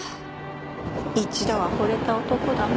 一度は惚れた男だもん。